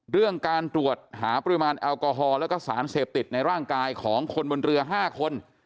เรื่องการตรวจหาปริมาณแอลกอฮอล์แล้วก็สารเสพติดในร่างกายของคนบนเรือ๕คน